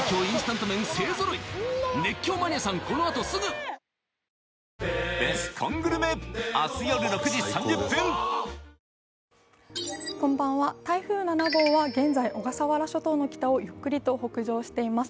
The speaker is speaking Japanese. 沖縄とは何か、日本とは何か、台風７号は現在、小笠原諸島の北側をゆっくりと北上しています。